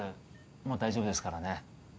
もう大丈夫ですからね